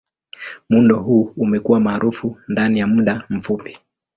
Muundo huu umekuwa maarufu ndani ya muda mfupi.